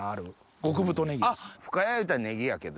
深谷いうたらねぎやけど。